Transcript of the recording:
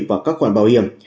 và các khoản bảo hiểm